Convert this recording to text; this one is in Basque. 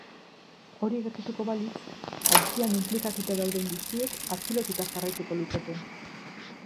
Hori gertatuko balitz, auzian inplikatuta dauden guztiek atxilotuta jarraituko lukete.